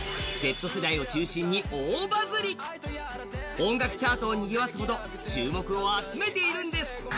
音楽チャートをにぎわすほど注目を集めているんです。